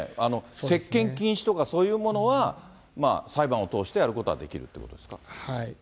接近禁止とか、そういったものは裁判を通してやることはできるということですか。